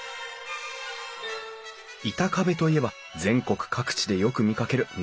板壁といえば全国各地でよく見かける南京下見板張り。